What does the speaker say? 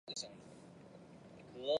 原票的颜色以红色为主。